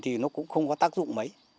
thì nó cũng không có tác dụng mấy